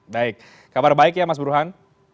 baik kabar baik ya mas burhan